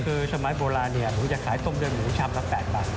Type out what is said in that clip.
คือชมัยโบราณเนี่ยผมจะขายต้มเลือดหมูชำละ๘บาท